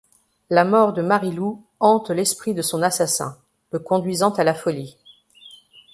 La mort de Marilou hante l'esprit de son assassin, le conduisant à la folie.